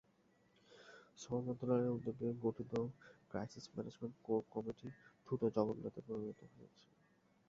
শ্রম মন্ত্রণালয়ের উদ্যোগে গঠিত ক্রাইসিস ম্যানেজমেন্ট কোর কমিটি ঠুঁটো জগন্নাথে পরিণত হয়েছে।